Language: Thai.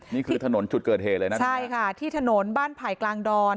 นี่คือถนนจุดเกิดเหตุเลยนะครับใช่ค่ะที่ถนนบ้านไผ่กลางดอน